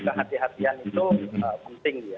kehati hatian itu penting